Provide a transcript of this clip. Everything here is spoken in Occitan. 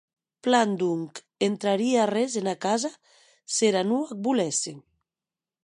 Plan, donc, entrarie arrés ena casa s’era non ac volesse?